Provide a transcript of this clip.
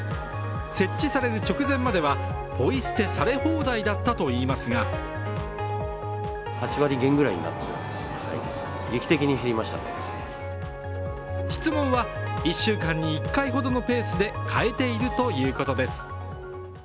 設置される直前まではポイ捨てされ放題だったといいますが質問は１週間に１回ほどのペースで変えているということです。